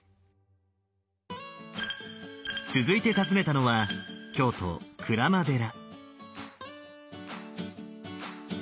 続いて訪ねたのは京都・鞍馬寺。